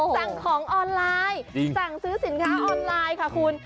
สั่งของออนไลน์สั่งซื้อสินค้าออนไลน์ค่ะคุณ